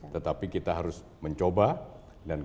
tetapi kita harus menerbatkan